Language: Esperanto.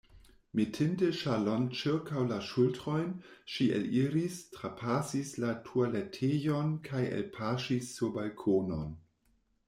Metinte ŝalon ĉirkaŭ la ŝultrojn, ŝi eliris, trapasis la tualetejon kaj elpaŝis sur balkonon.